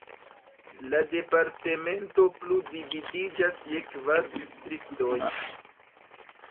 La departemento plu dividiĝas je kvar distriktoj.